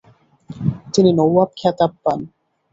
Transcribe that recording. তিনি নওয়াব খেতাব পান।